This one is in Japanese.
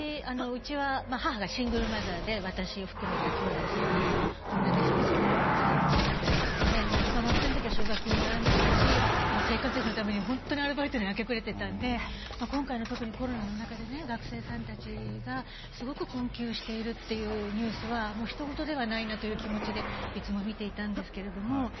うちは母がシングルマザーで私を含めたきょうだい３人を女手ひとつで育ててくれましたので学生のころは奨学金ももらいましたし生活費のためにアルバイトに明け暮れてたので今回の特にコロナの中で学生さんたちがすごく困窮しているっていうニュースはひと事ではないなという気持ちでいつも見ていたんですが。